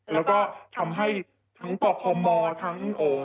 แล้วก็ทำให้ทั้งปคมทั้ง